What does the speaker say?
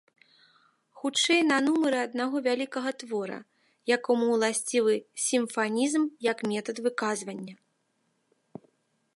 Хутчэй на нумары аднаго вялікага твора, якому ўласцівы сімфанізм як метад выказвання.